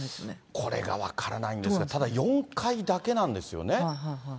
これが分からないんですが、ただ、４階だけなんですよね。